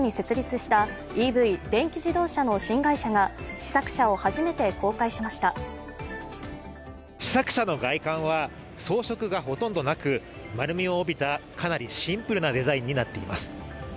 試作車の外観は装飾がほとんどなく丸みを帯びたかなりシンプルなデザインになっています。